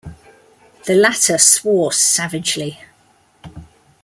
The latter swore savagely.